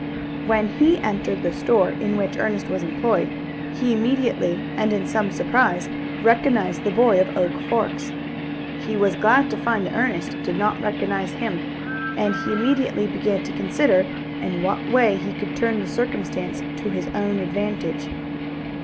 When he entered the store in which Ernest was employed, he immediately, and in some surprise, recognized the boy of Oak Forks. He was glad to find that Ernest did not recognize him, and he immediately began to consider in what way he could turn the circumstance to his own advantage.